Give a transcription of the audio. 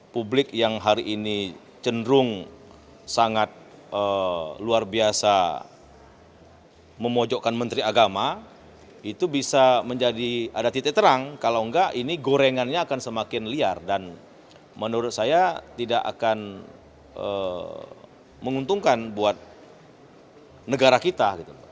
publik yang hari ini cenderung sangat luar biasa memojokkan menteri agama itu bisa menjadi ada titik terang kalau enggak ini gorengannya akan semakin liar dan menurut saya tidak akan menguntungkan buat negara kita